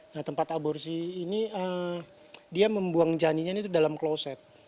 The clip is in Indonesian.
nah tempat aborsi ini dia membuang janinnya ini dalam kloset